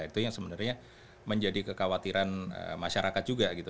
itu yang sebenarnya menjadi kekhawatiran masyarakat juga gitu